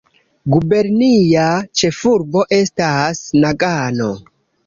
Gubernia ĉefurbo estas Nagano.